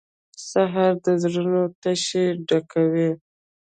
سهار د زړونو تشې ډکوي.